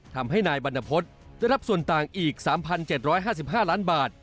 ทำให้นายบรรณพฤษได้รับส่วนต่างอีก๓๗๕๕ล้านบาท